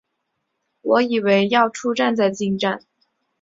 我以为要出站再进站